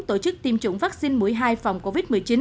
tổ chức tiêm chủng vaccine mũi hai phòng covid một mươi chín